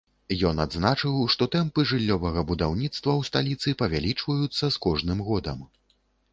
Ён адзначыў, што тэмпы жыллёвага будаўніцтва ў сталіцы павялічваюцца з кожным годам.